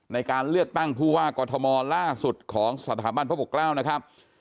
ในการเลือกตั้งผู้ว่ากอทมล่าสุดของสถาบันพระปกเกล้านะครับ